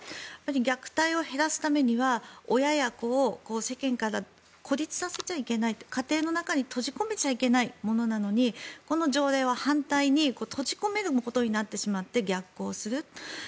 虐待を減らすためには親や子を世間から孤立させてはいけない家庭の中に閉じ込めちゃいけないものなのにこの条例は反対に閉じ込めることになってしまって逆行する。